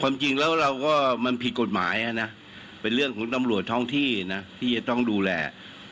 จริงแล้วเราก็มันผิดกฎหมายนะเป็นเรื่องของตำรวจท้องที่นะที่จะต้องดูแล